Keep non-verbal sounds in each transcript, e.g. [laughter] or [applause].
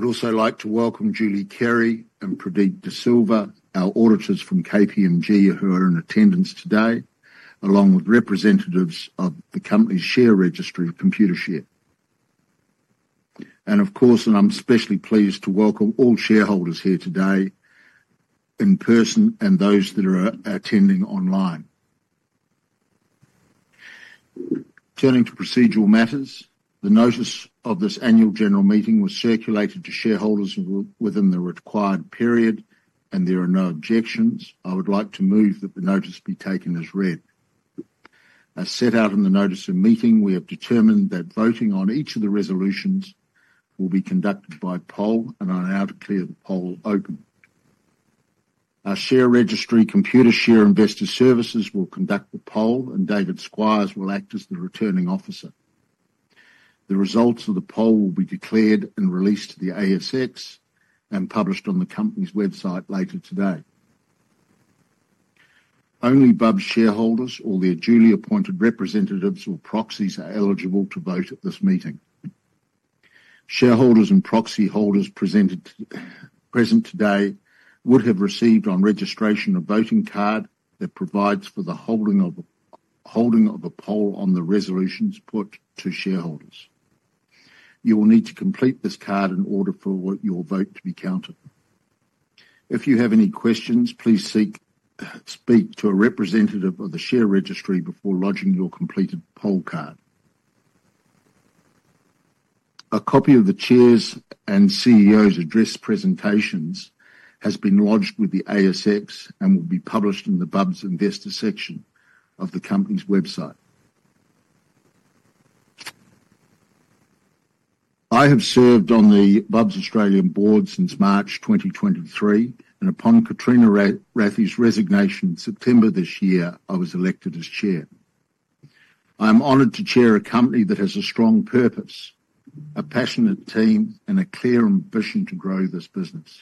I would also like to welcome Julie Carey and Pradeep de Silva, our auditors from KPMG, who are in attendance today, along with representatives of the company's share registry, Computershare. Of course, I'm especially pleased to welcome all shareholders here today in person and those that are attending online. Turning to procedural matters, the notice of this annual general meeting was circulated to shareholders within the required period, and there are no objections. I would like to move that the notice be taken as read. As set out in the notice of meeting, we have determined that voting on each of the resolutions will be conducted by poll, and I now declare the poll open. Our share registry, Computershare Investor Services, will conduct the poll, and David Squires will act as the returning officer. The results of the poll will be declared and released to the ASX and published on the company's website later today. Only Bubs shareholders or their duly appointed representatives or proxies are eligible to vote at this meeting. Shareholders and proxy holders present today would have received on registration a voting card that provides for the holding of a poll on the resolutions put to shareholders. You will need to complete this card in order for your vote to be counted. If you have any questions, please speak to a representative of the share registry before lodging your completed poll card. A copy of the Chair's and CEO's address presentations has been lodged with the ASX and will be published in the Bubs Investor section of the company's website. I have served on the Bubs Australia Board since March 2023, and upon Katrina Rathie's resignation in September this year, I was elected as Chair. I am honored to chair a company that has a strong purpose, a passionate team, and a clear ambition to grow this business.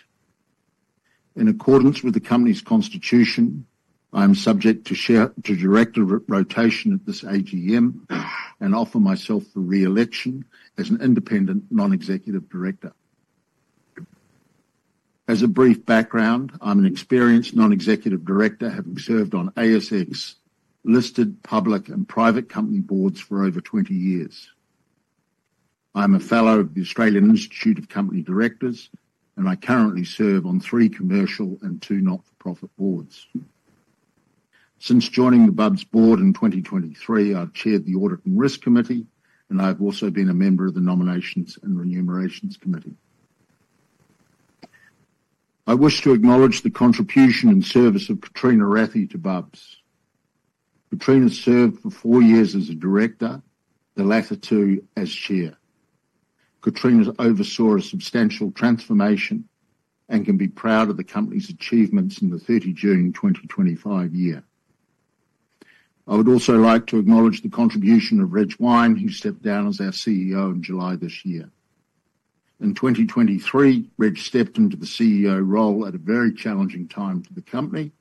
In accordance with the company's constitution, I am subject to director rotation at this AGM and offer myself for re-election as an independent non-executive director. As a brief background, I'm an experienced non-executive director, having served on ASX-listed public and private company boards for over 20 years. I'm a fellow of the Australian Institute of Company Directors, and I currently serve on three commercial and two not-for-profit boards. Since joining the Bubs Board in 2023, I've chaired the Audit and Risk Committee, and I've also been a member of the Nominations and Remunerations Committee. I wish to acknowledge the contribution and service of Katrina Rathie to Bubs. Katrina served for four years as a director, the latter two as Chair. Katrina oversaw a substantial transformation and can be proud of the company's achievements in the 30 June 2025 year. I would also like to acknowledge the contribution of Reg Weine, who stepped down as our CEO in July this year. In 2023, Reg stepped into the CEO role at a very challenging time for the company,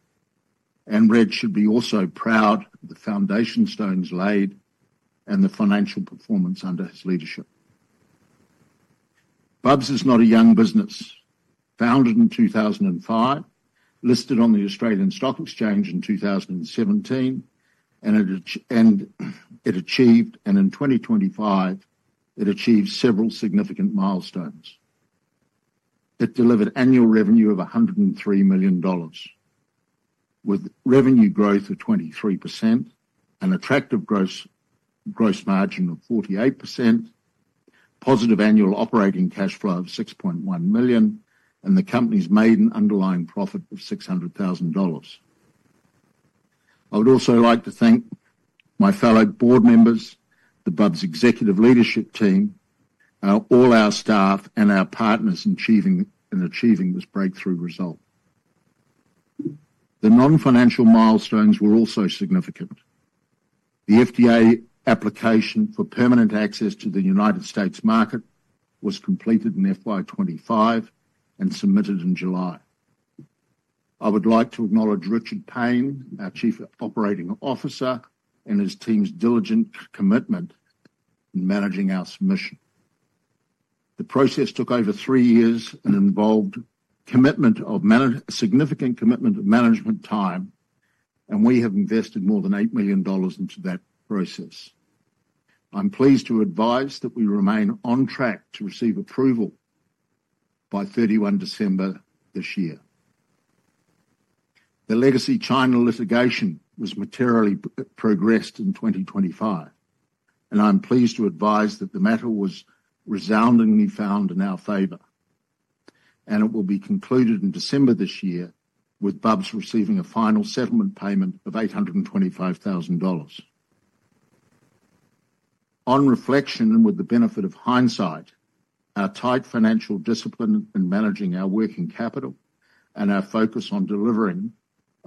and Reg should be also proud of the foundation stones laid and the financial performance under his leadership. Bubs is not a young business. Founded in 2005, listed on the Australian Stock Exchange in 2017, and it achieved, and in 2025, it achieved several significant milestones. It delivered annual revenue of 103 million dollars, with revenue growth of 23%, an attractive gross margin of 48%, positive annual operating cash flow of 6.1 million, and the company's made an underlying profit of 600,000 dollars. I would also like to thank my fellow board members, the Bubs executive leadership team, all our staff, and our partners in achieving this breakthrough result. The non-financial milestones were also significant. The FDA application for permanent access to the United States market was completed in fiscal year 2025 and submitted in July. I would like to acknowledge Richard Paine, our Chief Operating Officer, and his team's diligent commitment in managing our submission. The process took over three years and involved a significant commitment of management time, and we have invested more than 8 million dollars into that process. I'm pleased to advise that we remain on track to receive approval by 31 December this year. The legacy China litigation was materially progressed in 2025, and I'm pleased to advise that the matter was resoundingly found in our favor, and it will be concluded in December this year, with Bubs receiving a final settlement payment of 825,000 dollars. On reflection and with the benefit of hindsight, our tight financial discipline in managing our working capital and our focus on delivering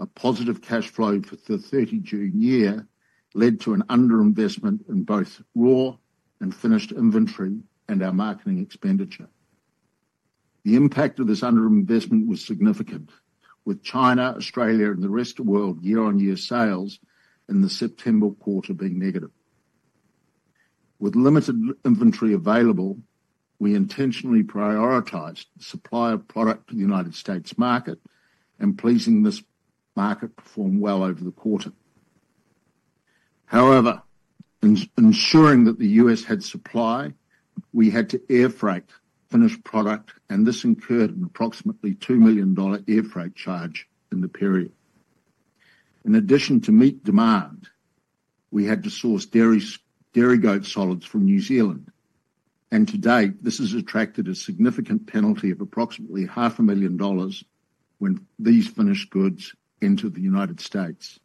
a positive cash flow for the 30 June year led to an underinvestment in both raw and finished inventory and our marketing expenditure. The impact of this underinvestment was significant, with China, Australia, and the rest of the world year-on-year sales in the September quarter being negative. With limited inventory available, we intentionally prioritized the supply of product to the United States market, and pleasingly this market performed well over the quarter. However, ensuring that the U.S. had supply, we had to air freight finished product, and this incurred an approximately 2 million dollar air freight charge in the period. In addition to meet demand, we had to source dairy goat solids from New Zealand, and to date, this has attracted a significant penalty of approximately 0.5 million dollars when these finished goods enter the United States.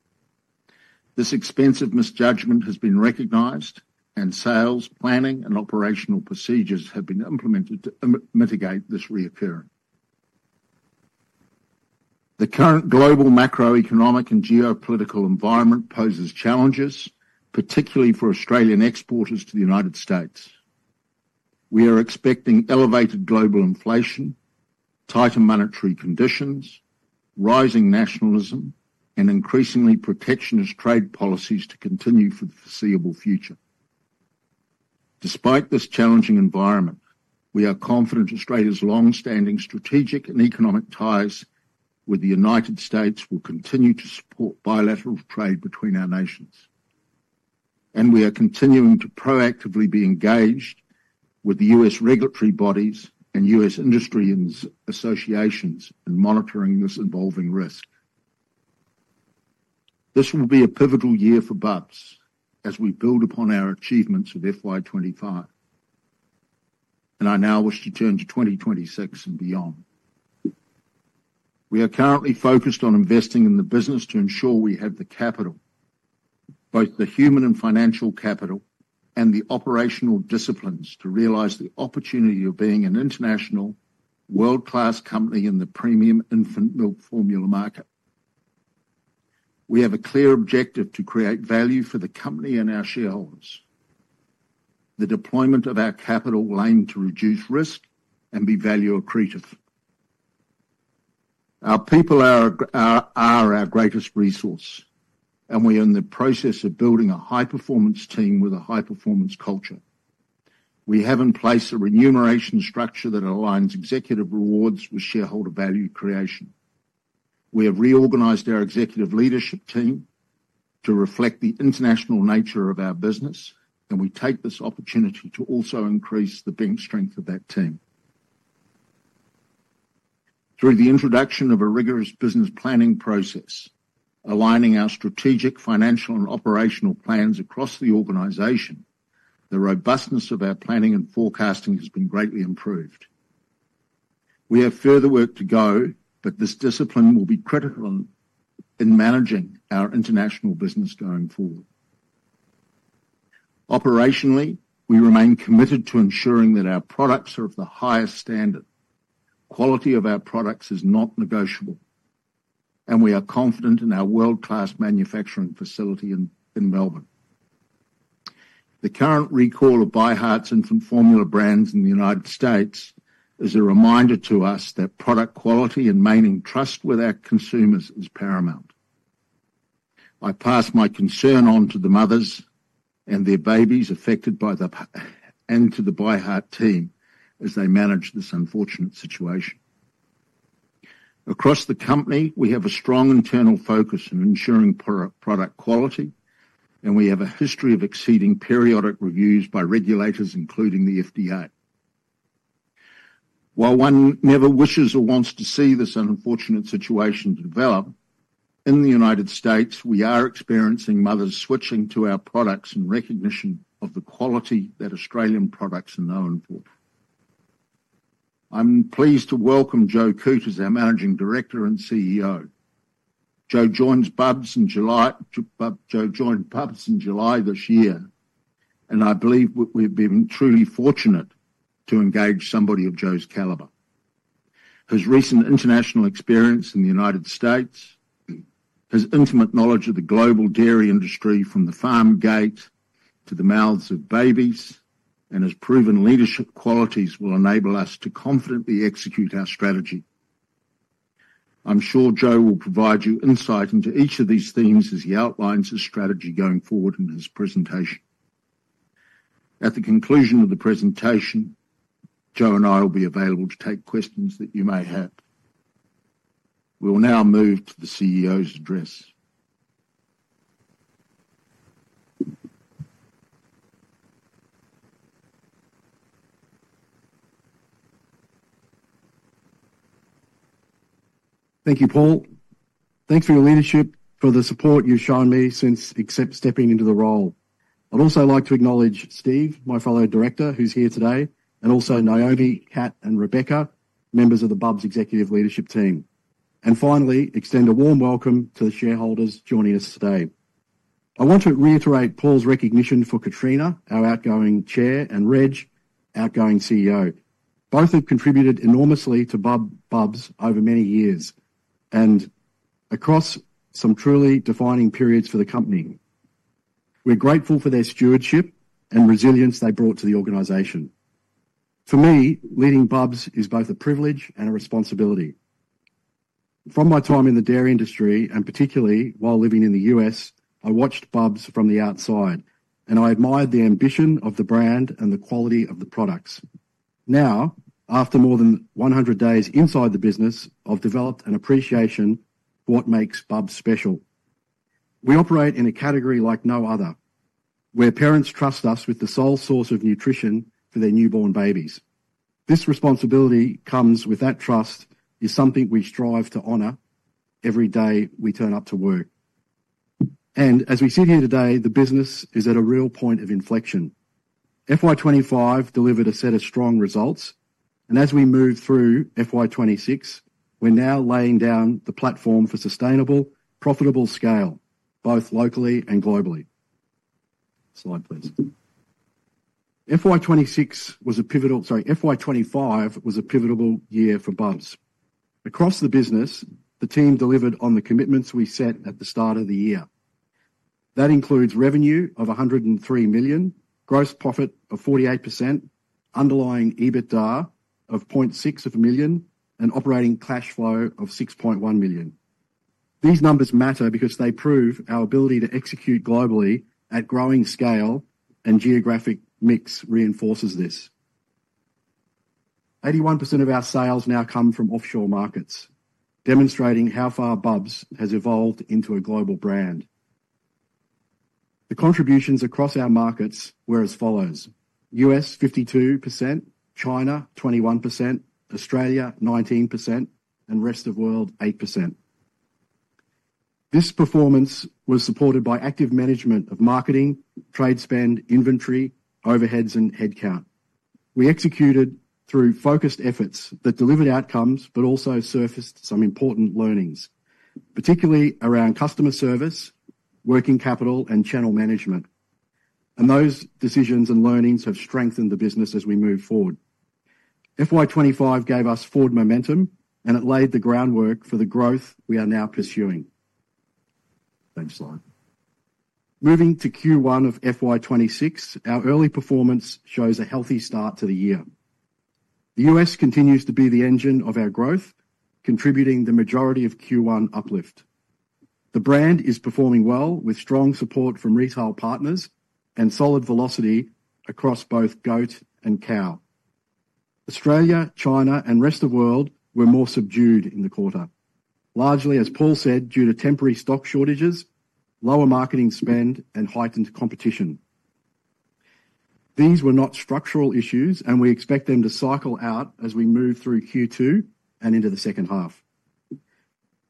This expensive misjudgment has been recognized, and sales, planning, and operational procedures have been implemented to mitigate this reoccurrence. The current global macroeconomic and geopolitical environment poses challenges, particularly for Australian exporters to the United States. We are expecting elevated global inflation, tighter monetary conditions, rising nationalism, and increasingly protectionist trade policies to continue for the foreseeable future. Despite this challenging environment, we are confident Australia's long-standing strategic and economic ties with the United States will continue to support bilateral trade between our nations, and we are continuing to proactively be engaged with the U.S. regulatory bodies and U.S. industry associations in monitoring this evolving risk. This will be a pivotal year for Bubs as we build upon our achievements of FY 2025, and I now wish to turn to 2026 and beyond. We are currently focused on investing in the business to ensure we have the capital, both the human and financial capital, and the operational disciplines to realize the opportunity of being an international, world-class company in the premium infant milk formula market. We have a clear objective to create value for the company and our shareholders. The deployment of our capital will aim to reduce risk and be value accretive. Our people are our greatest resource, and we are in the process of building a high-performance team with a high-performance culture. We have in place a remuneration structure that aligns executive rewards with shareholder value creation. We have reorganized our executive leadership team to reflect the international nature of our business, and we take this opportunity to also increase the bench strength of that team. Through the introduction of a rigorous business planning process, aligning our strategic, financial, and operational plans across the organization, the robustness of our planning and forecasting has been greatly improved. We have further work to go, but this discipline will be critical in managing our international business going forward. Operationally, we remain committed to ensuring that our products are of the highest standard. Quality of our products is not negotiable, and we are confident in our world-class manufacturing facility in Melbourne. The current recall of ByHeart's infant formula brands in the United States is a reminder to us that product quality and maintaining trust with our consumers is paramount. I pass my concern on to the mothers and their babies affected by the recall and to the ByHeart team as they manage this unfortunate situation. Across the company, we have a strong internal focus in ensuring product quality, and we have a history of exceeding periodic reviews by regulators, including the FDA. While one never wishes or wants to see this unfortunate situation develop, in the United States, we are experiencing mothers switching to our products and recognition of the quality that Australian products are known for. I'm pleased to welcome Joe Coote as our Managing Director and CEO. Joe joined Bubs in July this year, and I believe we've been truly fortunate to engage somebody of Joe's caliber. His recent international experience in the United States, his intimate knowledge of the global dairy industry from the farm gate to the mouths of babies, and his proven leadership qualities will enable us to confidently execute our strategy. I'm sure Joe will provide you insight into each of these themes as he outlines his strategy going forward in his presentation. At the conclusion of the presentation, Joe and I will be available to take questions that you may have. We will now move to the CEO's address. Thank you, Paul. Thanks for your leadership, for the support you've shown me since stepping into the role. I would also like to acknowledge Steve, my fellow director, who's here today, and also Naomi, Kat, and Rebecca, members of the Bubs executive leadership team. Finally, extend a warm welcome to the shareholders joining us today. I want to reiterate Paul's recognition for Katrina, our outgoing Chair, and Reg, our outgoing CEO. Both have contributed enormously to Bubs over many years and across some truly defining periods for the company. We're grateful for their stewardship and resilience they brought to the organization. For me, leading Bubs is both a privilege and a responsibility. From my time in the dairy industry, and particularly while living in the U.S., I watched Bubs from the outside, and I admired the ambition of the brand and the quality of the products. Now, after more than 100 days inside the business, I've developed an appreciation for what makes Bubs special. We operate in a category like no other, where parents trust us with the sole source of nutrition for their newborn babies. This responsibility that comes with that trust is something we strive to honor every day we turn up to work. As we sit here today, the business is at a real point of inflection. FY 2025 delivered a set of strong results, and as we move through FY 2026, we're now laying down the platform for sustainable, profitable scale, both locally and globally. FY 2026 was a pivotal—sorry, FY 2025 was a pivotal year for Bubs. Across the business, the team delivered on the commitments we set at the start of the year. That includes revenue of 103 million, gross profit of 48%, underlying EBITDA of 0.6 million, and operating cash flow of 6.1 million. These numbers matter because they prove our ability to execute globally at growing scale, and geographic mix reinforces this. 81% of our sales now come from offshore markets, demonstrating how far Bubs has evolved into a global brand. The contributions across our markets were as follows: U.S. 52%, China 21%, Australia 19%, and rest of world 8%. This performance was supported by active management of marketing, trade spend, inventory, overheads, and headcount. We executed through focused efforts that delivered outcomes, but also surfaced some important learnings, particularly around customer service, working capital, and channel management. Those decisions and learnings have strengthened the business as we move forward. FY 2025 gave us forward momentum, and it laid the groundwork for the growth we are now pursuing. Moving to Q1 of FY 2026, our early performance shows a healthy start to the year. The U.S. continues to be the engine of our growth, contributing the majority of Q1 uplift. The brand is performing well with strong support from retail partners and solid velocity across both goat and cow. Australia, China, and rest of the world were more subdued in the quarter, largely, as Paul said, due to temporary stock shortages, lower marketing spend, and heightened competition. These were not structural issues, and we expect them to cycle out as we move through Q2 and into the second half.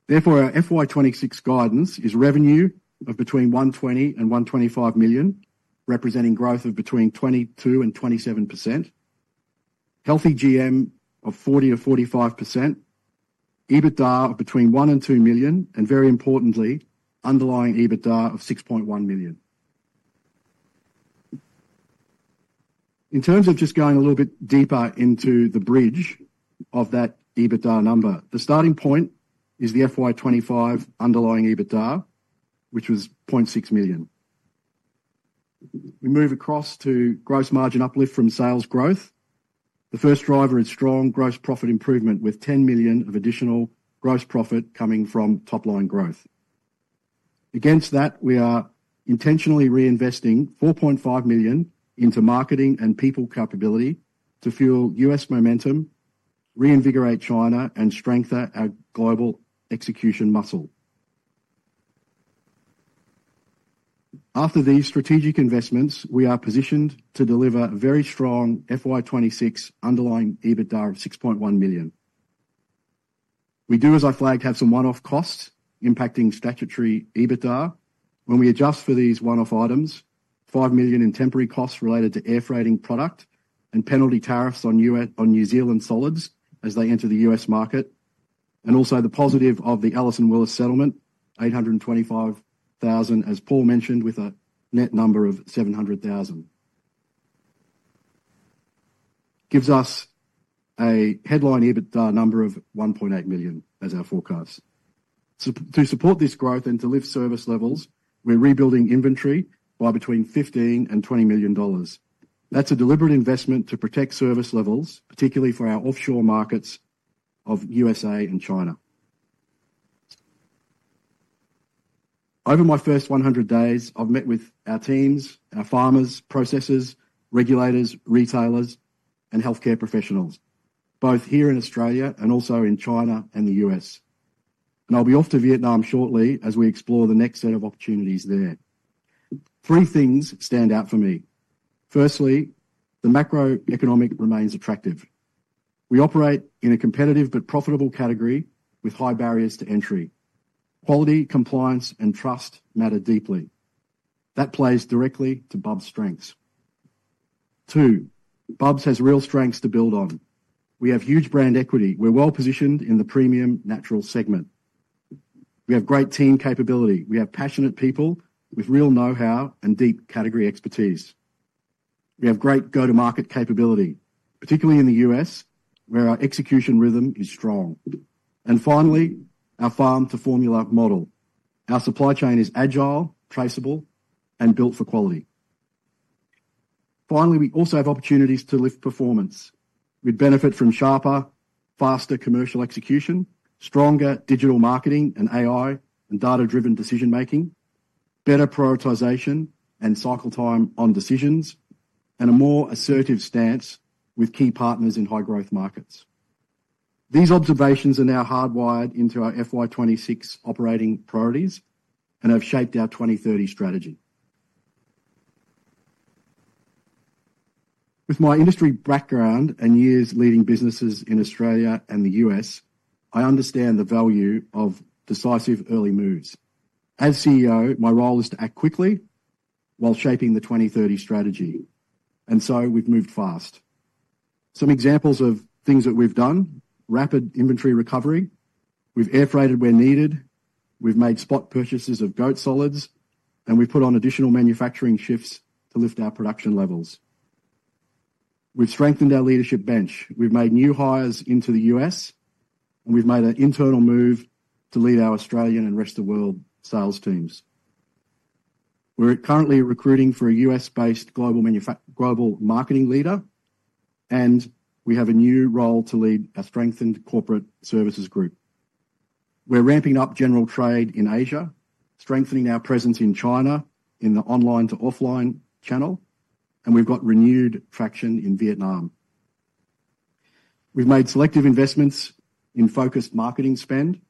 Therefore, our FY 2026 guidance is revenue of between 120 million and 125 million, representing growth of between 22% and 27%, healthy GM of 40%-45%, EBITDA of between 1 million and 2 million, and very importantly, underlying EBITDA of 6.1 million. In terms of just going a little bit deeper into the bridge of that EBITDA number, the starting point is the FY 2025 underlying EBITDA, which was 0.6 million. We move across to gross margin uplift from sales growth. The first driver is strong gross profit improvement with 10 million of additional gross profit coming from top-line growth. Against that, we are intentionally reinvesting 4.5 million into marketing and people capability to fuel U.S. momentum, reinvigorate China, and strengthen our global execution muscle. After these strategic investments, we are positioned to deliver very strong FY 2026 underlying EBITDA of 6.1 million. We do, as I flagged, have some one-off costs impacting statutory EBITDA. When we adjust for these one-off items, 5 million in temporary costs related to air freighting product and penalty tariffs on New Zealand solids as they enter the U.S. market, and also the positive of the Alison Willis settlement, 825,000, as Paul mentioned, with a net number of 0.7 million, gives us a headline EBITDA number of 1.8 million as our forecast. To support this growth and to lift service levels, we're rebuilding inventory by between 15 million-20 million dollars. That's a deliberate investment to protect service levels, particularly for our offshore markets of USA and China. Over my first 100 days, I've met with our teams, our farmers, processors, regulators, retailers, and healthcare professionals, both here in Australia and also in China and the U.S. I'll be off to Vietnam shortly as we explore the next set of opportunities there. Three things stand out for me. Firstly, the macroeconomic remains attractive. We operate in a competitive but profitable category with high barriers to entry. Quality, compliance, and trust matter deeply. That plays directly to Bubs' strengths. Two, Bubs has real strengths to build on. We have huge brand equity. We're well positioned in the premium natural segment. We have great team capability. We have passionate people with real know-how and deep category expertise. We have great go-to-market capability, particularly in the U.S., where our execution rhythm is strong. Finally, our farm-to-formula model. Our supply chain is agile, traceable, and built for quality. Finally, we also have opportunities to lift performance. We'd benefit from sharper, faster commercial execution, stronger digital marketing and AI and data-driven decision-making, better prioritization and cycle time on decisions, and a more assertive stance with key partners in high-growth markets. These observations are now hardwired into our FY 2026 operating priorities and have shaped our 2030 strategy. With my industry background and years leading businesses in Australia and the U.S., I understand the value of decisive early moves. As CEO, my role is to act quickly while shaping the 2030 strategy. We've moved fast. Some examples of things that we've done: rapid inventory recovery. We've air freighted where needed. We've made spot purchases of goat solids, and we've put on additional manufacturing shifts to lift our production levels. We've strengthened our leadership bench. We've made new hires into the U.S., and we've made an internal move to lead our Australian and rest of the world sales teams. We're currently recruiting for a U.S.-based global marketing leader, and we have a new role to lead a strengthened corporate services group. We're ramping up general trade in Asia, strengthening our presence in China in the online to offline channel, and we've got renewed traction in Vietnam. We've made selective investments in focused marketing spend.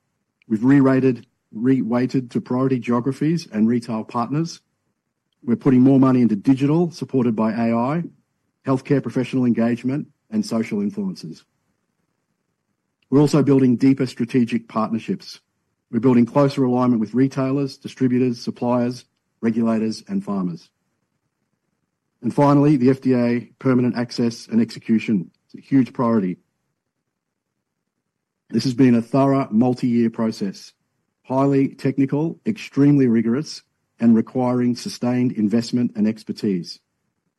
We've re-rated, re-weighted to priority geographies and retail partners. We're putting more money into digital supported by AI, healthcare professional engagement, and social influences. We're also building deeper strategic partnerships. We're building closer alignment with retailers, distributors, suppliers, regulators, and farmers. Finally, the FDA permanent access and execution. It's a huge priority. This has been a thorough multi-year process, highly technical, extremely rigorous, and requiring sustained investment and expertise.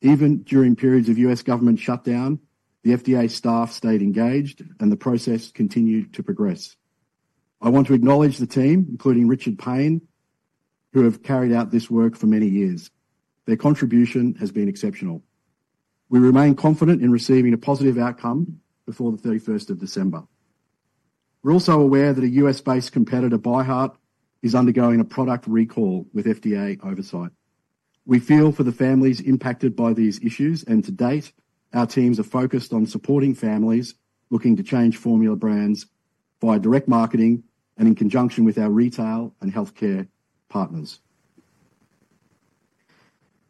Even during periods of U.S. government shutdown, the FDA staff stayed engaged, and the process continued to progress. I want to acknowledge the team, including Richard Paine, who have carried out this work for many years. Their contribution has been exceptional. We remain confident in receiving a positive outcome before the 31st of December. We're also aware that a U.S.-based competitor, ByHeart, is undergoing a product recall with FDA oversight. We feel for the families impacted by these issues, and to date, our teams are focused on supporting families looking to change formula brands via direct marketing and in conjunction with our retail and healthcare partners.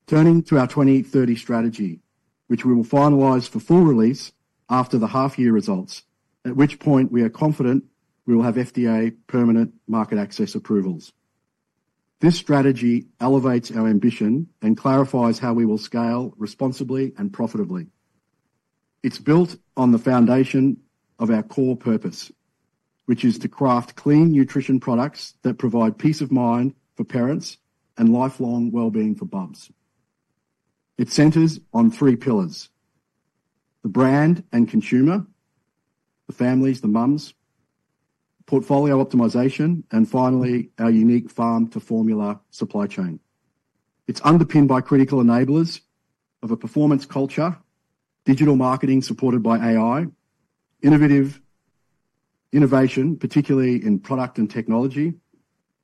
Turning to our 2030 strategy, which we will finalize for full release after the half-year results, at which point we are confident we will have FDA permanent market access approvals. This strategy elevates our ambition and clarifies how we will scale responsibly and profitably. It's built on the foundation of our core purpose, which is to craft clean nutrition products that provide peace of mind for parents and lifelong well-being for Bubs. It centers on three pillars: the brand and consumer, the families, the moms, portfolio optimization, and finally, our unique farm-to-formula supply chain. It's underpinned by critical enablers of a performance culture, digital marketing supported by AI, innovation, particularly in product and technology,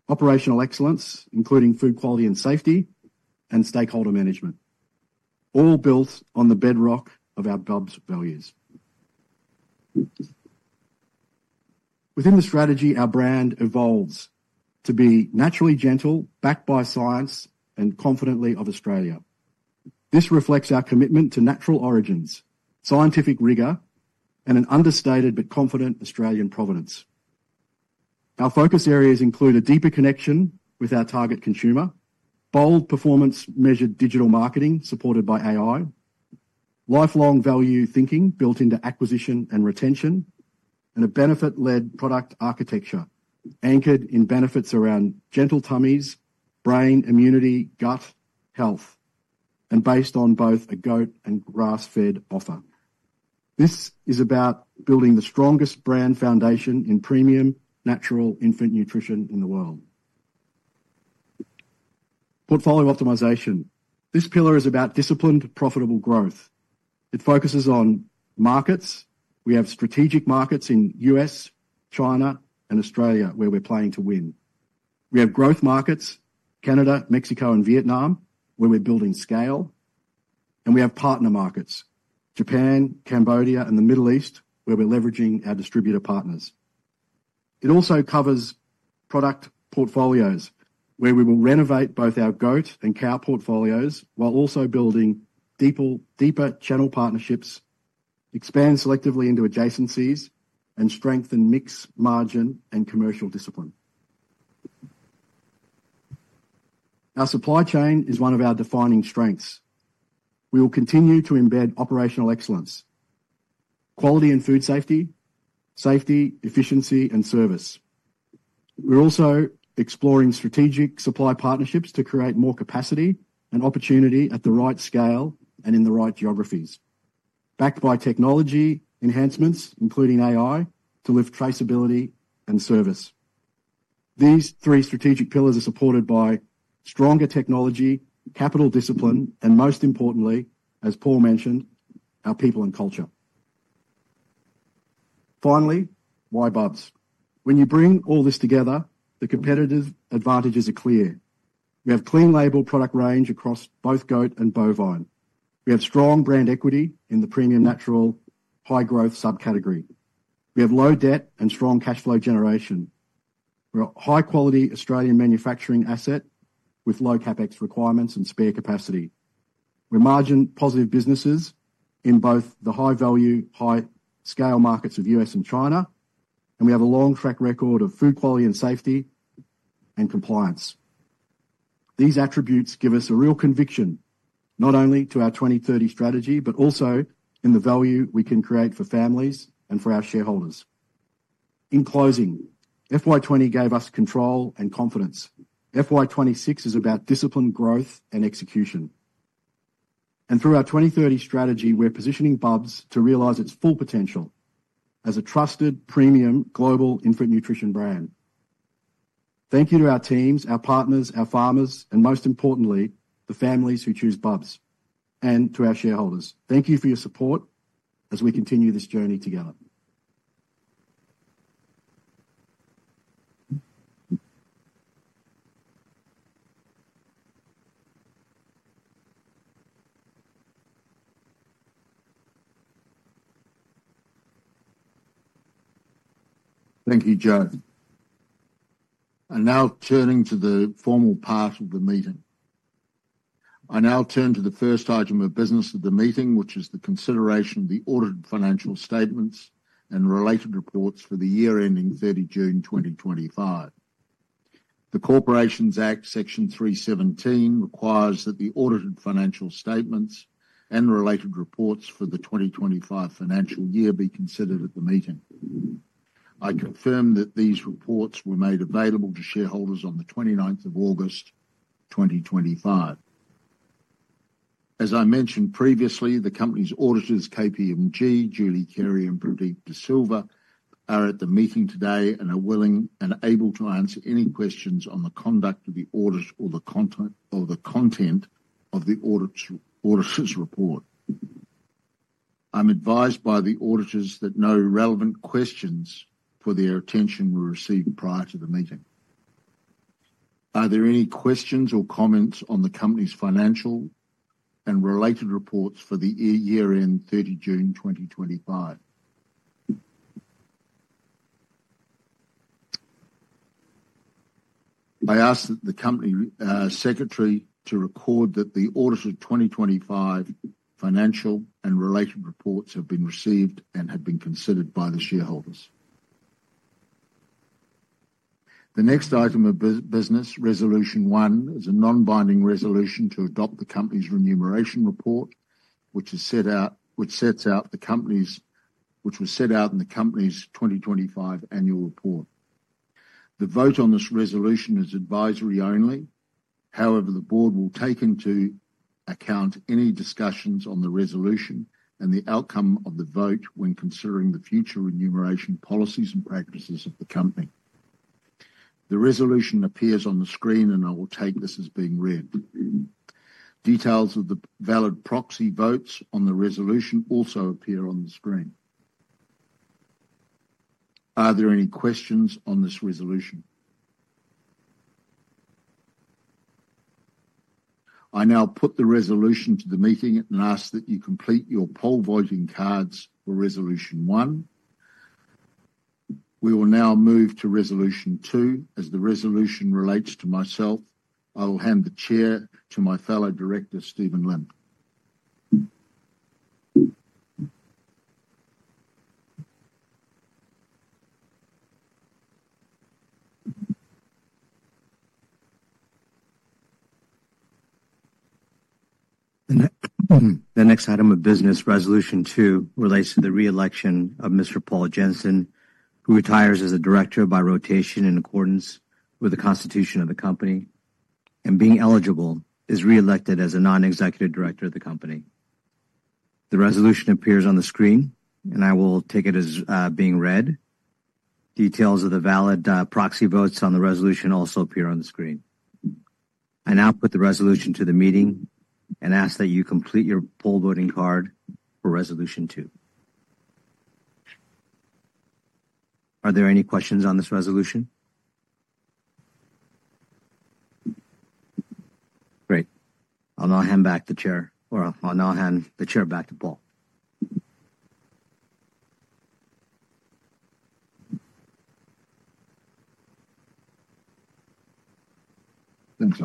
operational excellence, including food quality and safety, and stakeholder management, all built on the bedrock of our Bubs values. Within the strategy, our brand evolves to be naturally gentle, backed by science, and confidently of Australia. This reflects our commitment to natural origins, scientific rigor, and an understated but confident Australian provenance. Our focus areas include a deeper connection with our target consumer, bold performance-measured digital marketing supported by AI, lifelong value thinking built into acquisition and retention, and a benefit-led product architecture anchored in benefits around gentle tummies, brain, immunity, gut, health, and based on both a goat and grass-fed offer. This is about building the strongest brand foundation in premium natural infant nutrition in the world. Portfolio optimization. This pillar is about disciplined, profitable growth. It focuses on markets. We have strategic markets in the U.S., China, and Australia, where we're playing to win. We have growth markets: Canada, Mexico, and Vietnam, where we're building scale. We have partner markets: Japan, Cambodia, and the Middle East, where we're leveraging our distributor partners. It also covers product portfolios, where we will renovate both our goat and cow portfolios while also building deeper channel partnerships, expand selectively into adjacencies, and strengthen mixed margin and commercial discipline. Our supply chain is one of our defining strengths. We will continue to embed operational excellence, quality in food safety, safety, efficiency, and service. We're also exploring strategic supply partnerships to create more capacity and opportunity at the right scale and in the right geographies, backed by technology enhancements, including AI, to lift traceability and service. These three strategic pillars are supported by stronger technology, capital discipline, and most importantly, as Paul mentioned, our people and culture. Finally, why Bubs? When you bring all this together, the competitive advantages are clear. We have clean label product range across both goat and bovine. We have strong brand equity in the premium natural high-growth subcategory. We have low debt and strong cash flow generation. We're a high-quality Australian manufacturing asset with low CapEx requirements and spare capacity. We're margin-positive businesses in both the high-value, high-scale markets of the U.S. and China, and we have a long track record of food quality and safety and compliance. These attributes give us a real conviction not only to our 2030 strategy, but also in the value we can create for families and for our shareholders. In closing, FY 2020 gave us control and confidence. FY 2026 is about disciplined growth and execution. Through our 2030 strategy, we're positioning Bubs to realize its full potential as a trusted premium global infant nutrition brand. Thank you to our teams, our partners, our farmers, and most importantly, the families who choose Bubs, and to our shareholders. Thank you for your support as we continue this journey together. Thank you, Joe. I'm now turning to the formal part of the meeting. I now turn to the first item of business of the meeting, which is the consideration of the audited financial statements and related reports for the year ending 30 June 2025. The Corporations Act, Section 317, requires that the audited financial statements and related reports for the 2025 financial year be considered at the meeting. I confirm that these reports were made available to shareholders on the 29th of August 2025. As I mentioned previously, the company's auditors, KPMG, Julie Carey, and Pradeep de Silva, are at the meeting today and are willing and able to answer any questions on the conduct of the audit or the content of the auditor's report. I'm advised by the auditors that no relevant questions for their attention were received prior to the meeting. Are there any questions or comments on the company's financial and related reports for the year end 30 June 2025? I ask that the company secretary record that the audited 2025 financial and related reports have been received and have been considered by the shareholders. The next item of business, Resolution 1, is a non-binding resolution to adopt the company's remuneration report, which was set out in the company's 2025 annual report. The vote on this resolution is advisory only. However, the board will take into account any discussions on the resolution and the outcome of the vote when considering the future remuneration policies and practices of the company. The resolution appears on the screen, and I will take this as being read. Details of the valid proxy votes on the resolution also appear on the screen. Are there any questions on this resolution? I now put the resolution to the meeting and ask that you complete your poll voting cards for Resolution 1. We will now move to Resolution 2. As the resolution relates to myself, I will hand the chair to my fellow director, Steve Lin. The next item of business, Resolution 2, relates to the re-election of Mr. Paul Jensen, who retires as a director by rotation in accordance with the constitution of the company and being eligible, is re-elected as a non-executive director of the company. The resolution appears on the screen, and I will take it as being read. Details of the valid proxy votes on the resolution also appear on the screen. I now put the resolution to the meeting and ask that you complete your poll voting card for Resolution 2. Are there any questions on this resolution? Great. I'll now hand the chair back to Paul. Thank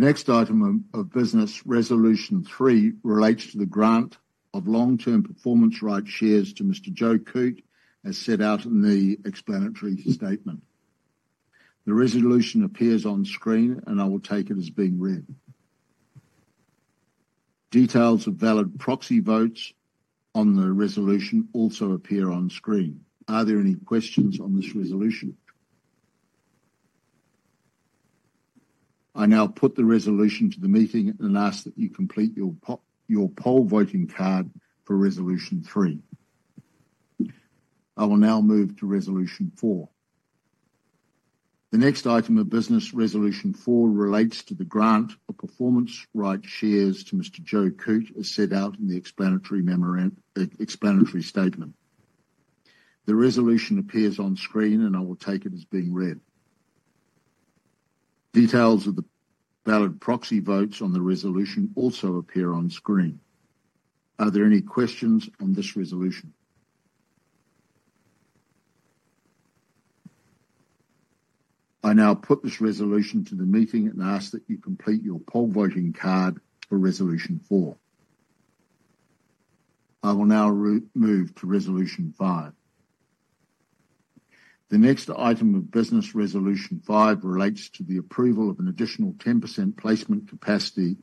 you. The next item of business, Resolution 3, relates to the grant of long-term performance rights shares to Mr. Joe Coote, as set out in the explanatory statement. The resolution appears on screen, and I will take it as being read. Details of valid proxy votes on the resolution also appear on screen. Are there any questions on this resolution? I now put the resolution to the meeting and ask that you complete your poll voting card for Resolution 3. I will now move to Resolution 4. The next item of business, Resolution 4, relates to the grant of performance rights shares to Mr. Joe Coote, as set out in the explanatory statement. The resolution appears on screen, and I will take it as being read. Details of the valid proxy votes on the resolution also appear on screen. Are there any questions on this resolution? I now put this resolution to the meeting and ask that you complete your poll voting card for Resolution 4. I will now move to Resolution 5. The next item of business, Resolution 5, relates to the approval of an additional 10% placement capacity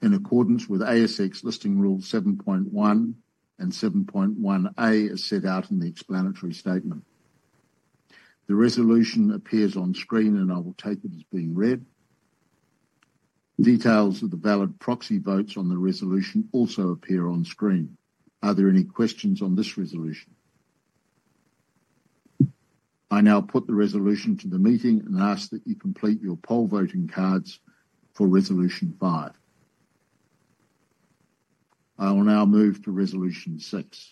in accordance with ASX Listing Rule 7.1 and 7.1A, as set out in the explanatory statement. The resolution appears on screen, and I will take it as being read. Details of the valid proxy votes on the resolution also appear on screen. Are there any questions on this resolution? I now put the resolution to the meeting and ask that you complete your poll voting cards for Resolution 5. I will now move to Resolution 6.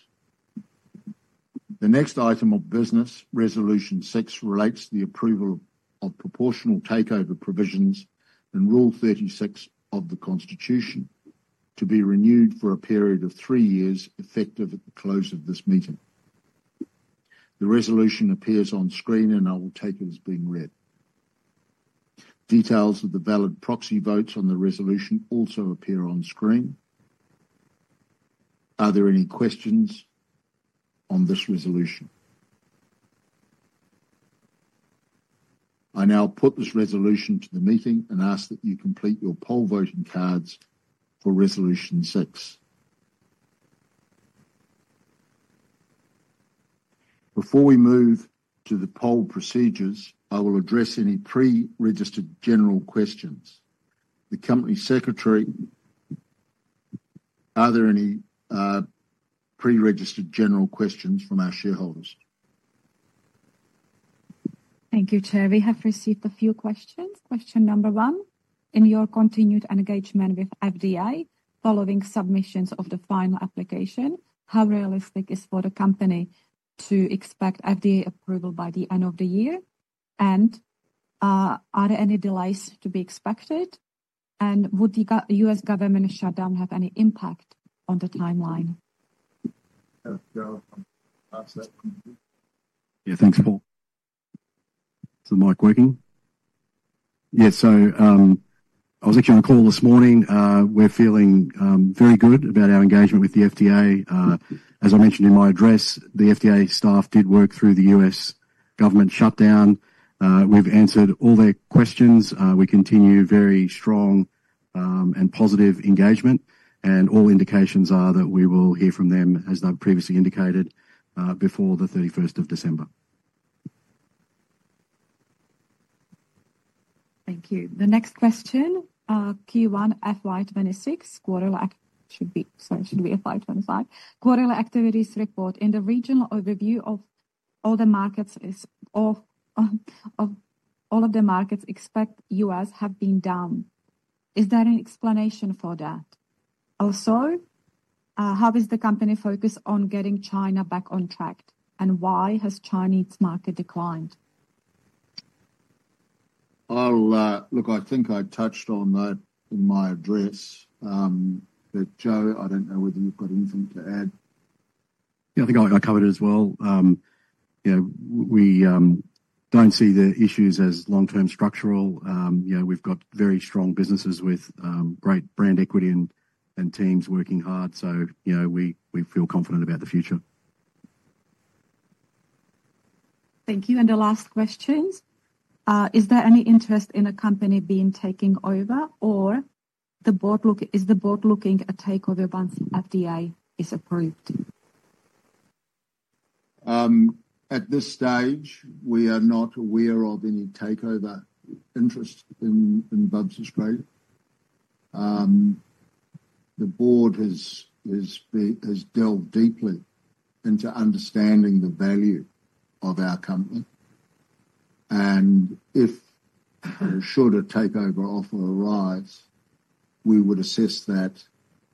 The next item of business, Resolution 6, relates to the approval of proportional takeover provisions and Rule 36 of the Constitution to be renewed for a period of three years effective at the close of this meeting. The resolution appears on screen, and I will take it as being read. Details of the valid proxy votes on the resolution also appear on screen. Are there any questions on this resolution? I now put this resolution to the meeting and ask that you complete your poll voting cards for Resolution 6. Before we move to the poll procedures, I will address any pre-registered general questions. The Company Secretary, are there any pre-registered general questions from our shareholders? Thank you, Chair. We have received a few questions. Question number one: In your continued engagement with FDA, following submissions of the final application, how realistic is it for the company to expect FDA approval by the end of the year? Are there any delays to be expected? Would the U.S. government shutdown have any impact on the timeline? Yeah, thanks, Paul. [audio distortion] I was actually on call this morning. We're feeling very good about our engagement with the FDA. As I mentioned in my address, the FDA staff did work through the U.S. government shutdown. We've answered all their questions. We continue very strong and positive engagement, and all indications are that we will hear from them, as they've previously indicated, before the 31st of December. Thank you. The next question, Q1 FY 2026, quarterly should be—sorry, should be FY 2025. Quarterly activities report in the regional overview of all the markets is of all of the markets except U.S. have been down. Is there an explanation for that? Also, how is the company focused on getting China back on track, and why has Chinese market declined? I think I touched on that in my address. Joe, I do not know whether you have got anything to add. Yeah, I think I covered it as well. Yeah, we do not see the issues as long-term structural. We have got very strong businesses with great brand equity and teams working hard. We feel confident about the future. Thank you. The last question: Is there any interest in a company being taken over, or is the board looking at takeover once FDA is approved? At this stage, we are not aware of any takeover interest in Bubs Australia. The board has delved deeply into understanding the value of our company. If a shorter takeover offer arrives, we would assess that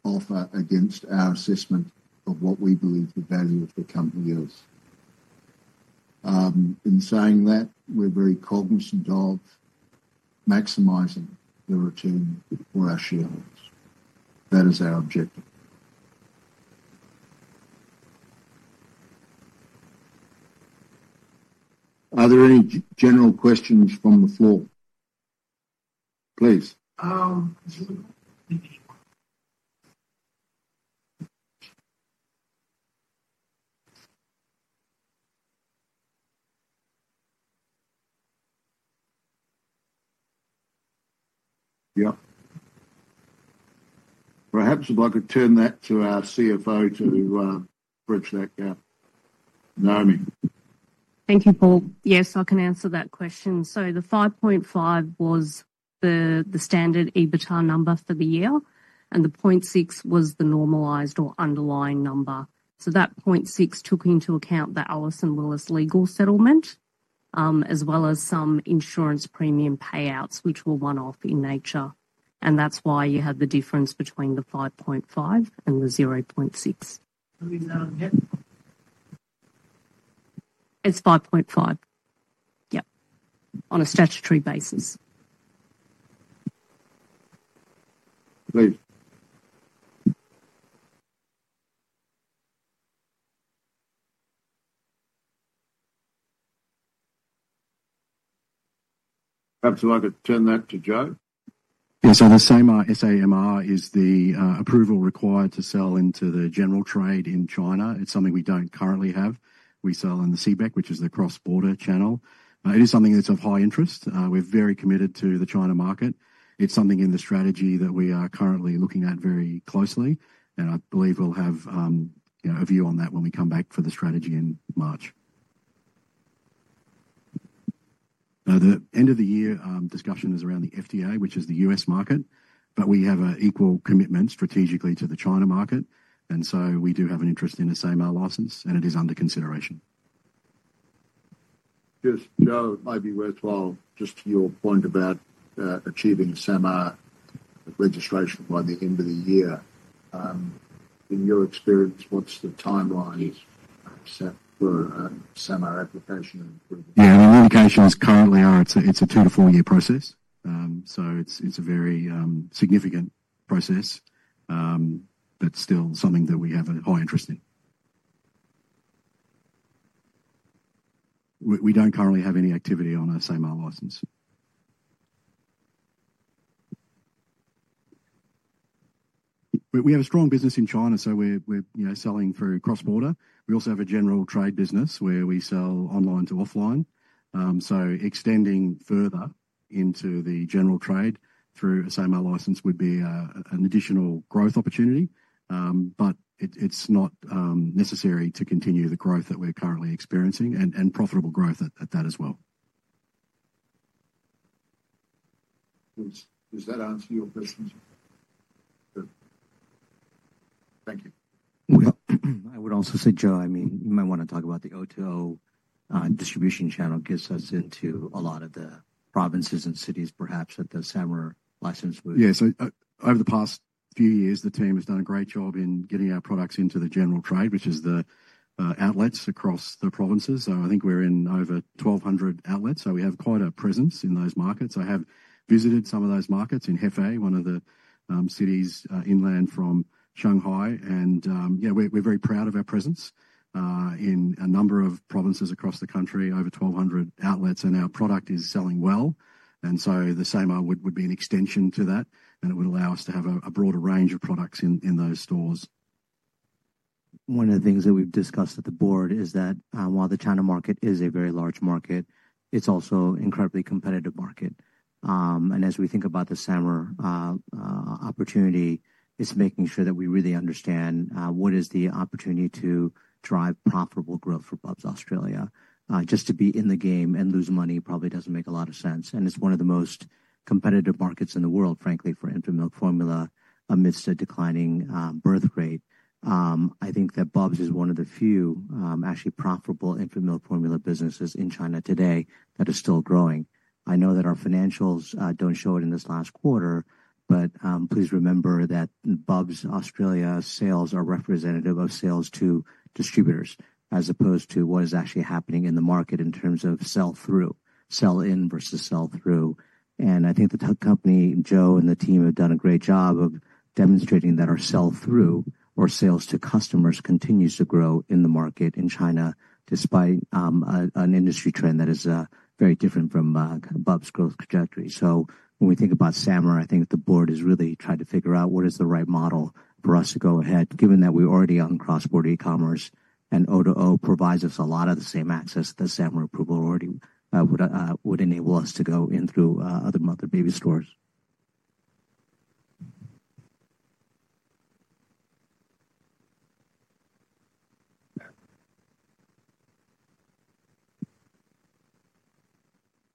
offer against our assessment of what we believe the value of the company is. In saying that, we're very cognizant of maximizing the return for our shareholders. That is our objective. Are there any general questions from the floor? Please. Yep. Perhaps if I could turn that to our CFO to bridge that gap. Naomi. Thank you, Paul. Yes, I can answer that question. The 5.5 was the standard EBITDA number for the year, and the 0.6 was the normalized or underlying number. That 0.6 took into account the Alison Willis legal settlement, as well as some insurance premium payouts, which were one-off in nature. That's why you had the difference between the 5.5 and the 0.6. Are we down yet? It's 5.5. Yep. On a statutory basis. Please. Perhaps if I could turn that to Joe. Yeah, so the SAMR is the approval required to sell into the general trade in China. It's something we don't currently have. We sell in the CBEC, which is the cross-border channel. It is something that's of high interest. We're very committed to the China market. It's something in the strategy that we are currently looking at very closely. I believe we'll have a view on that when we come back for the strategy in March. Now, the end of the year discussion is around the FDA, which is the U.S. market, but we have an equal commitment strategically to the China market. We do have an interest in a SAMR license, and it is under consideration. Just, Joe, it might be worthwhile just your point about achieving SAMR registration by the end of the year. In your experience, what's the timeline set for SAMR application? Yeah, the indications currently are it's a two- to four-year process. It is a very significant process, but still something that we have a high interest in. We do not currently have any activity on a SAMR license. We have a strong business in China, so we are selling through cross-border. We also have a general trade business where we sell online to offline. Extending further into the general trade through a SAMR license would be an additional growth opportunity, but it is not necessary to continue the growth that we are currently experiencing and profitable growth at that as well. Does that answer your questions? Good. Thank you. I would also say, Joe, I mean, you might want to talk about the OTO distribution channel gets us into a lot of the provinces and cities, perhaps, that the SAMR license would. Yeah, over the past few years, the team has done a great job in getting our products into the general trade, which is the outlets across the provinces. I think we're in over 1,200 outlets. We have quite a presence in those markets. I have visited some of those markets in Hefei, one of the cities inland from Shanghai. Yeah, we're very proud of our presence in a number of provinces across the country, over 1,200 outlets, and our product is selling well. The SAMR would be an extension to that, and it would allow us to have a broader range of products in those stores. One of the things that we've discussed at the board is that while the China market is a very large market, it's also an incredibly competitive market. As we think about the SAMR opportunity, it's making sure that we really understand what is the opportunity to drive profitable growth for Bubs Australia. Just to be in the game and lose money probably doesn't make a lot of sense. It is one of the most competitive markets in the world, frankly, for infant milk formula amidst a declining birth rate. I think that Bubs is one of the few actually profitable infant milk formula businesses in China today that is still growing. I know that our financials don't show it in this last quarter, but please remember that Bubs Australia sales are representative of sales to distributors as opposed to what is actually happening in the market in terms of sell-through, sell-in versus sell-through. I think the company, Joe, and the team have done a great job of demonstrating that our sell-through or sales to customers continues to grow in the market in China despite an industry trend that is very different from Bubs' growth trajectory. When we think about SAMR, I think the board is really trying to figure out what is the right model for us to go ahead, given that we're already on cross-border e-commerce, and OTO provides us a lot of the same access that SAMR approval already would enable us to go in through other mother baby stores.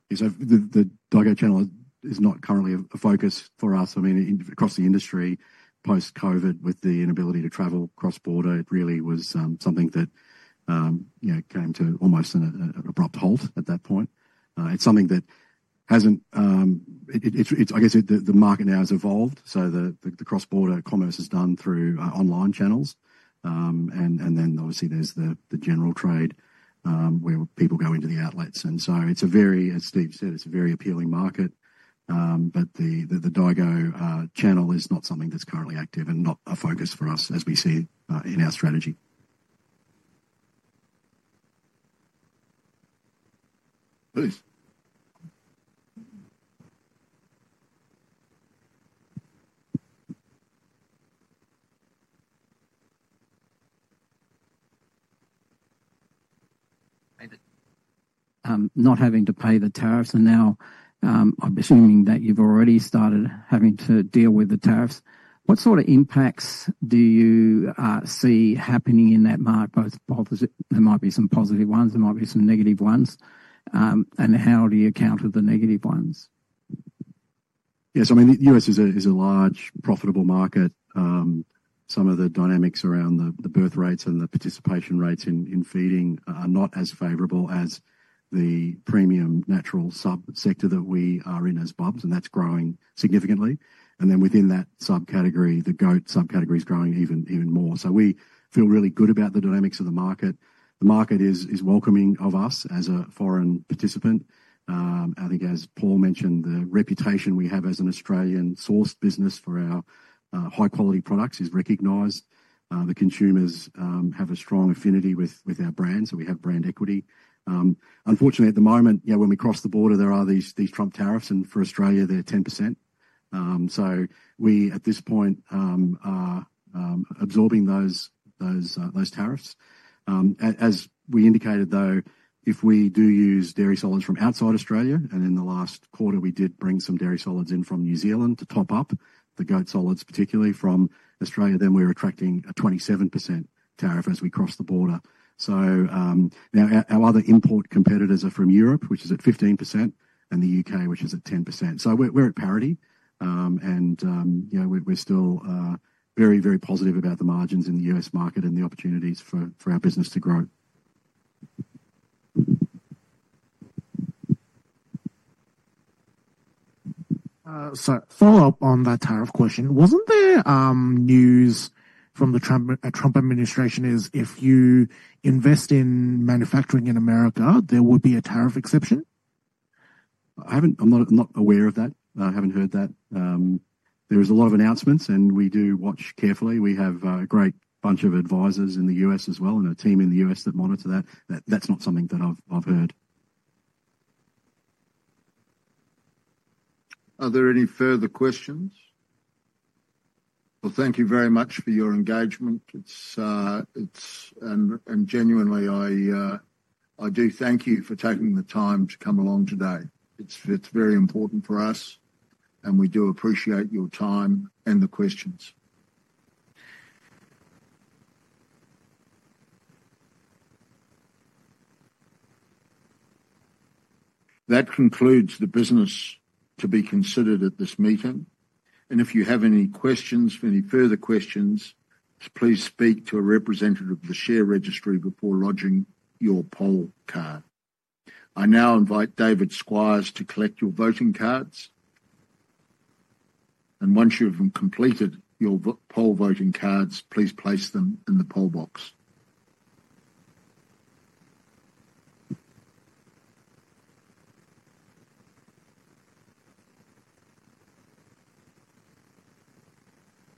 The daigou channel is not currently a focus for us. I mean, across the industry, post-COVID, with the inability to travel cross-border, it really was something that came to almost an abrupt halt at that point. It's something that hasn't—I guess the market now has evolved. The cross-border commerce is done through online channels. Obviously, there's the general trade where people go into the outlets. It's a very—as Steve said, it's a very appealing market, but the daigou channel is not something that's currently active and not a focus for us, as we see in our strategy. Please. Not having to pay the tariffs. Now I'm assuming that you've already started having to deal with the tariffs. What sort of impacts do you see happening in that market? There might be some positive ones. There might be some negative ones. How do you account for the negative ones? Yes. I mean, the U.S. is a large profitable market. Some of the dynamics around the birth rates and the participation rates in feeding are not as favorable as the premium natural sub-sector that we are in as Bubs, and that's growing significantly. Within that sub-category, the goat sub-category is growing even more. We feel really good about the dynamics of the market. The market is welcoming of us as a foreign participant. I think, as Paul mentioned, the reputation we have as an Australian-sourced business for our high-quality products is recognized. The consumers have a strong affinity with our brand, so we have brand equity. Unfortunately, at the moment, when we cross the border, there are these Trump tariffs, and for Australia, they're 10%. At this point, we are absorbing those tariffs. As we indicated, though, if we do use dairy solids from outside Australia, and in the last quarter, we did bring some dairy solids in from New Zealand to top up the goat solids, particularly from Australia, then we're attracting a 27% tariff as we cross the border. Now our other import competitors are from Europe, which is at 15%, and the U.K., which is at 10%. We are at parity, and we're still very, very positive about the margins in the U.S. market and the opportunities for our business to grow. Follow-up on that tariff question. Wasn't the news from the Trump administration is if you invest in manufacturing in America, there would be a tariff exception? I'm not aware of that. I haven't heard that. There was a lot of announcements, and we do watch carefully. We have a great bunch of advisors in the U.S. as well and a team in the U.S. that monitor that. That's not something that I've heard. Are there any further questions? Thank you very much for your engagement. I do thank you for taking the time to come along today. It's very important for us, and we do appreciate your time and the questions. That concludes the business to be considered at this meeting. If you have any questions, any further questions, please speak to a representative of the share registry before lodging your poll card. I now invite David Squires to collect your voting cards. Once you have completed your poll voting cards, please place them in the poll box.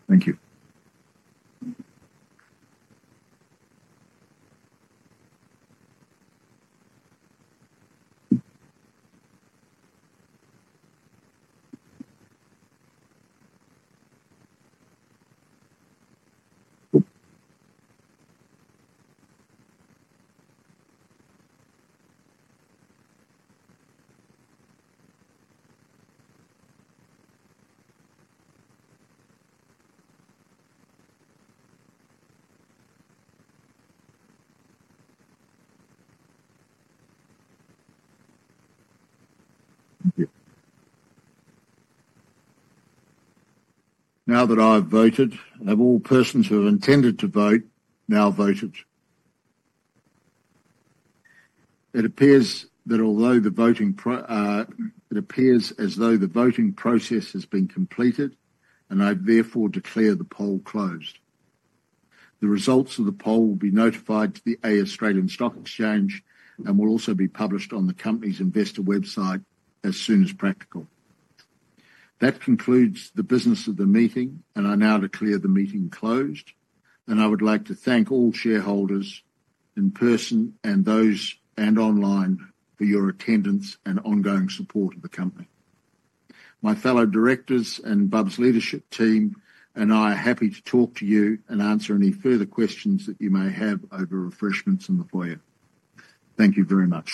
Thank you. Now that I've voted, have all persons who have intended to vote now voted? It appears as though the voting process has been completed, and I therefore declare the poll closed. The results of the poll will be notified to the Australian Stock Exchange and will also be published on the company's investor website as soon as practical. That concludes the business of the meeting, and I now declare the meeting closed. I would like to thank all shareholders in person and those online for your attendance and ongoing support of the company. My fellow directors and Bubs leadership team and I are happy to talk to you and answer any further questions that you may have over refreshments in the foyer. Thank you very much.